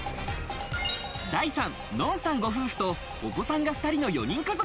だいさん、のんさんご夫婦とお子さんが２人の４人家族。